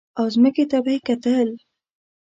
او ځمکې ته به یې کتل.